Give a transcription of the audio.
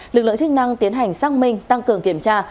lực lượng chức năng tiến hành xác minh tăng cường kiểm tra